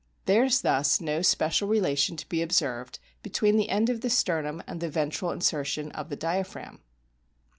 There is thus no special relation to be observed between the end of the sternum and the ventral insertion of the diaphragm.